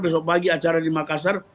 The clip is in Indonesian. besok pagi acara di makassar